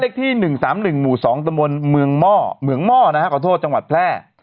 เดร็กที่๑๓๑หมู่๒ตมเมืองหม้อจังหวัดแพร่